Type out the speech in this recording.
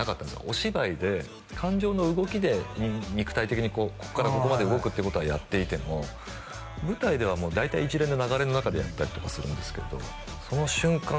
お芝居で感情の動きで肉体的にここからここまで動くってことはやっていても舞台では大体一連の流れの中でやったりとかするんですけどその瞬間